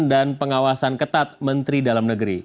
pengawasan ketat menteri dalam negeri